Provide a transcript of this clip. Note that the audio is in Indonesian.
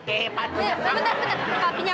eh pak d eh bentar bentar